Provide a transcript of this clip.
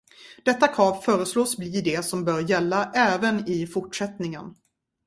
Detta krav föreslås bli det som bör gälla även i fortsättningen.